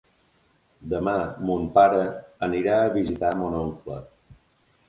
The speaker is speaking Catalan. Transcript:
Demà mon pare anirà a visitar mon oncle.